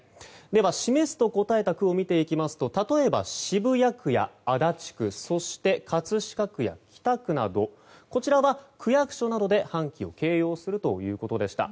示すと答えた区を見ていきますと例えば、渋谷区や足立区そして葛飾区や北区などこちらは区役所などで半旗を掲揚するということです。